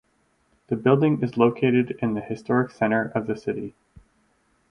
The building is located in the Historic Center of the city.